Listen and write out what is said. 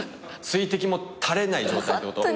水滴も垂れない状態ってこと？